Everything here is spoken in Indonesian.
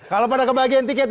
kalau pada kebagian tiket